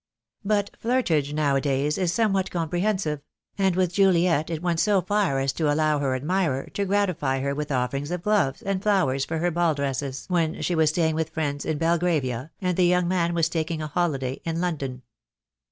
But "flirtage" now a days is some what comprehensive; and with Juliet it went so far as to allow her admirer to gratify her with offerings of gloves and flowers for her ball dresses, when she was staying with friends in Belgravia, and the young man was taking a holiday in London.